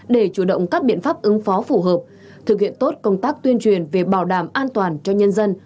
để chủ động các biện pháp ứng phó phù hợp thực hiện tốt công tác tuyên truyền về bảo đảm an toàn cho nhân dân